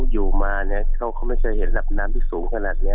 อยู่มาเขาก็ไม่พอเห็นน้ำสูงขนาดนี้